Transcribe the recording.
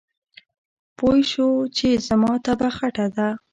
پوی شو چې زما طبعه خټه ده.